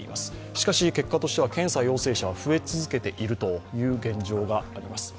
しかし、結果としては検査陽性者は増え続けている現状があります。